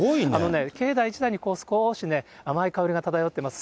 境内自体に少し甘い香りが漂ってます。